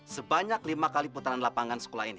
sebanyak lima kali putaran lapangan sekolah ini